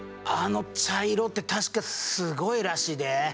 あの茶色って確かすごいらしいで。